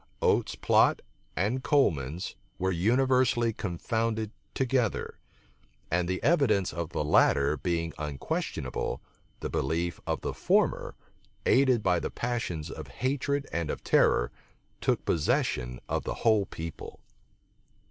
Oates's plot and Coleman's were universally confounded together: and the evidence of the latter being unquestionable, the belief of the former, aided by the passions of hatred and of terror, took possession of the whole people.